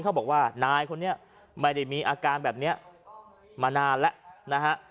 เขาบอกว่านายคนนี้ไม่ได้มีอาการแบบนี้มานานแล้วนะฮะ